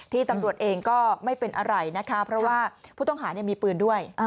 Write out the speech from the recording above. ตำรวจเองก็ไม่เป็นอะไรนะคะเพราะว่าผู้ต้องหามีปืนด้วย